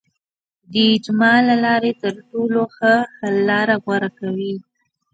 د اجماع له لارې تر ټولو ښه حل لاره غوره کوي.